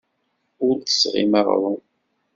Ur d-tesɣim aɣrum.